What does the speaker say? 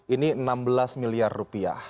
ini enam belas miliar rupiah